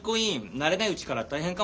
慣れないうちから大変かも。